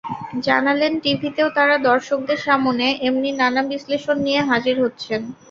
জানালেন, টিভিতেও তাঁরা দর্শকদের সামনে এমনি নানা বিশ্লেষণ নিয়ে হাজির হচ্ছেন।